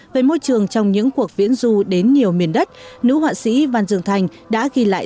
về môi trường trong những cuộc viễn du đến nhiều miền đất nữ họa sĩ văn dương thành đã ghi lại